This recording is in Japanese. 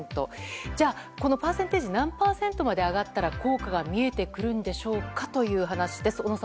じゃあ、このパーセンテージが何パーセントまで上がったら効果が見えてくるんでしょうかという話です。